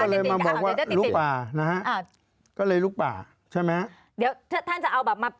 ก็เลยมาบอกว่าลุกป่านะฮะอ่าก็เลยลุกป่าใช่ไหมเดี๋ยวถ้าท่านจะเอาแบบมา